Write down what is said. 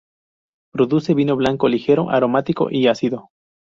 Produce vino blanco ligero, aromático y ácido.